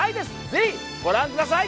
是非ご覧ください！